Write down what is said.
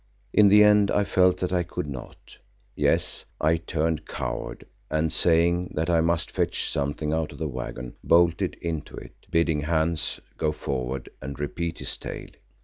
In the end I felt that I could not. Yes, I turned coward and saying that I must fetch something out of the waggon, bolted into it, bidding Hans go forward and repeat his tale.